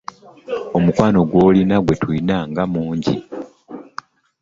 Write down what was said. Omukwano gw'olina gye tuli nga mungi!